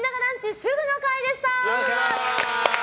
主婦の会でした。